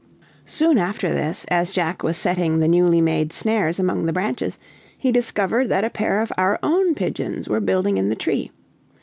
Soon after this, as Jack was setting the newly made snares among the branches, he discovered that a pair of our own pigeons were building in the tree.